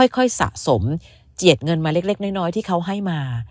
สะสมเจียดเงินมาเล็กน้อยที่เขาให้มา